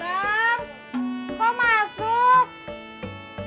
bang kau masuk